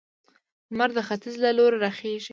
لمر د ختيځ له لوري راخيژي